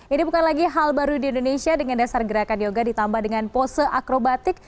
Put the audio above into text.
ini bukan lagi hal baru di indonesia dengan dasar gerakan yoga ditambah dengan pose akrobatik